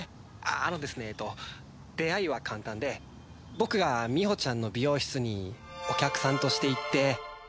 あのですねえーと出会いは簡単で僕がみほちゃんの美容室にお客さんとして行って。